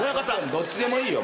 どっちでもいいよ。